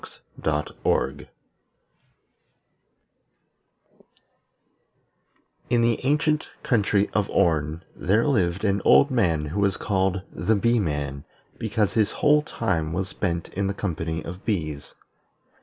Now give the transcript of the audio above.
In the ancient country of Orn, there lived an old man who was called the Bee man, because his whole time was spent in the company of bees.